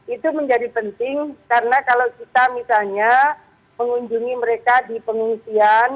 itu menjadi penting karena kalau kita misalnya mengunjungi mereka di pengungsian